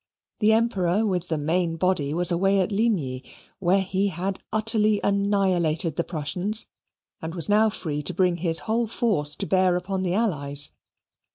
The Emperor, with the main body, was away at Ligny, where he had utterly annihilated the Prussians, and was now free to bring his whole force to bear upon the allies.